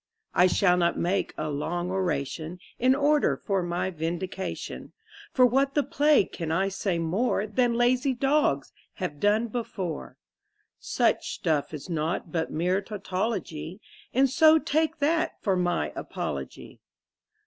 I shall not make a long oration in order for my vindication, For what the plague can I say more Than lazy dogs have done before; Such stuff is naught but mere tautology, And so take that for my apology.